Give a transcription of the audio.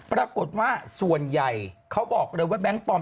ปรากฏว่าส่วนใหญ่เขาบอกเลยว่าแบงค์ปลอม